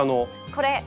これ。